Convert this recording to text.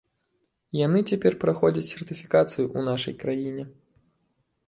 Яны цяпер праходзяць сертыфікацыю ў нашай краіне.